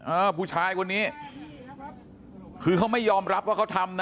เออผู้ชายคนนี้คือเขาไม่ยอมรับว่าเขาทำนะ